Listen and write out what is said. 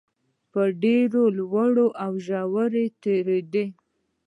په ډېرو لوړو او ژورو د تېرېدو